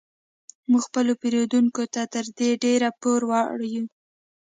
موږ خپلو پیرودونکو ته تر دې ډیر پور وړ یو